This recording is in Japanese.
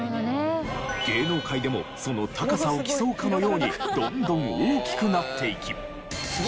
芸能界でもその高さを競うかのようにどんどん大きくなっていき。